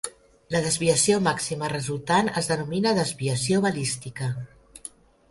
La desviació màxima resultant es denomina desviació balística.